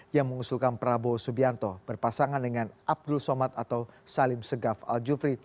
yang mengusulkan prabowo subianto berpasangan dengan abdul somad atau salim segaf al jufri